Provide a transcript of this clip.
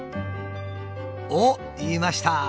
おっいました！